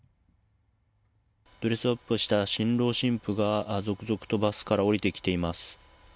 ドレスアップした新郎新婦が続々とバスから降りてきています。